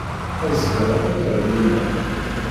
Azekka ruḥemt ar dina!